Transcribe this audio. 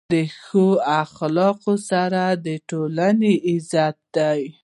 د ښو اخلاقو اثر د ټولنې عزت دی.